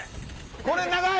これ長い！